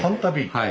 はい。